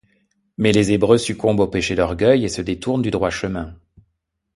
Mais les Hébreux succombent au péché d'orgueil et se détournent du droit chemin.